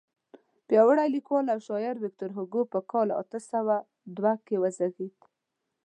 پیاوړی لیکوال او شاعر ویکتور هوګو په کال اته سوه دوه کې وزیږېد.